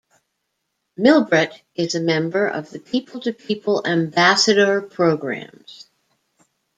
Milbrett is a member of the People to People Ambassador Programs.